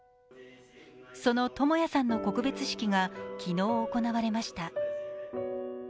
その智也さんの告別式が昨日、行われました。